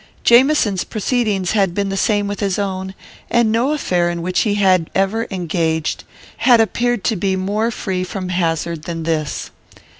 Jamieson's proceedings had been the same with his own, and no affair in which he had ever engaged had appeared to be more free from hazard than this.